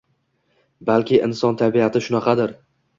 Balki inson tabiati shunaqadir.